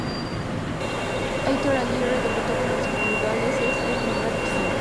Aitor Aguirre debutó con los burgaleses en Primera división.